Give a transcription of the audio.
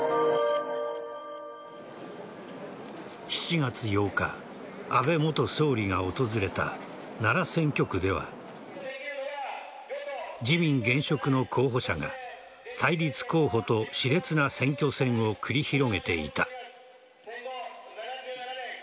７月８日、安倍元総理が訪れた奈良選挙区では自民現職の候補者が対立候補と熾烈な選挙戦を繰り広げていた。